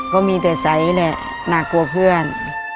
ก็มีแต่ใสแหละน่ากลัวเพื่อน